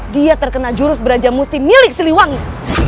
dia terkena jurus beraja musti milik siliwangi